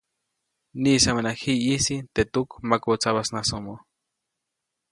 Niʼisamuŋnaʼak ji ʼyisi teʼ tuk makubä tsabasnasomo.